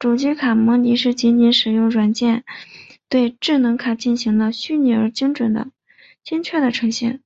主机卡模拟是仅仅使用软件对智能卡进行的虚拟而精确的呈现。